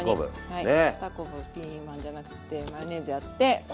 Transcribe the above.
はい２こぶピーマンじゃなくてマヨネーズやってポン酢。